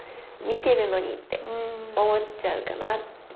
見てるのにって思っちゃうかなって。